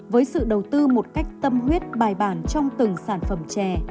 với sự đầu tư một cách tâm huyết bài bản trong từng sản phẩm chè